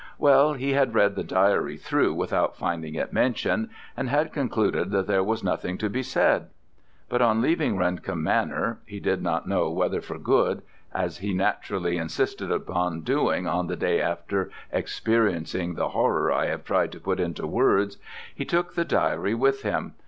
Well, he had read the diary through without finding it mentioned, and had concluded that there was nothing to be said. But, on leaving Rendcomb Manor (he did not know whether for good), as he naturally insisted upon doing on the day after experiencing the horror I have tried to put into words, he took the diary with him.